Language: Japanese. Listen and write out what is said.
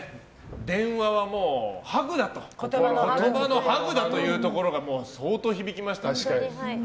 電話は言葉のハグだというところが相当、響きました。